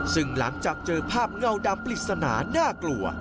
ซึ่งหลังจากเจอภาพเงาดำปริศนาน่ากลัว